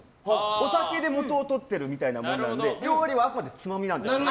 お酒で元を取っているみたいなので料理はあくまでつまみなんです。